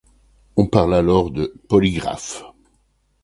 On parle alors de polygraphe.